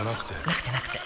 なくてなくて